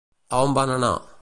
A on van anar?